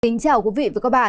xin chào quý vị và các bạn